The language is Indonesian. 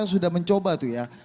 karena sudah mencoba tuh ya